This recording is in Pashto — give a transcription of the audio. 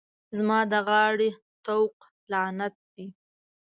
زما د غاړې طوق لعنت دی.